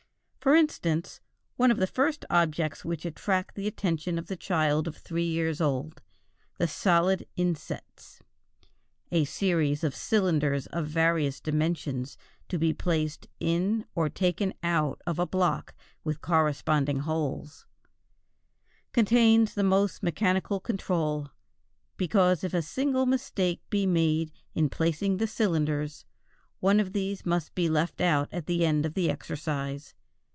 For instance, one of the first objects which attract the attention of the child of three years old, the solid insets (a series of cylinders of various dimensions to be placed in or taken out of a block with corresponding holes) contains the most mechanical control, because if a single mistake be made in placing the cylinders, one of these must be left out at the end of the exercise.